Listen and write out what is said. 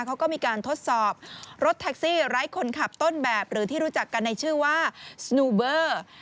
เขาก็มีการทดสอบรถแท็กซี่ไร้คนขับต้นแบบหรือที่รู้จักกันในชื่อว่าสนูเบอร์